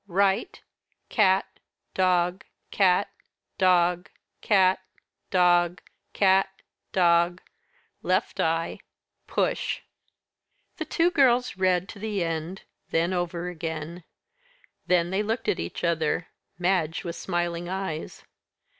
"Right cat dog cat dog cat dog cat dog left eye push." The two girls read to the end then over again. Then they looked at each other Madge with smiling eyes.